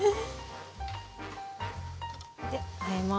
であえます。